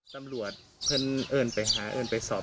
ตำรวจเพื่อนเอิญไปหาเอิญไปสอบ